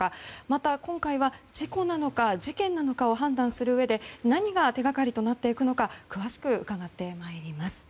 また、今回は事故なのか事件なのかを判断するうえで何が手掛かりとなっていくのか詳しく伺ってまいります。